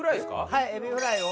はいエビフライを。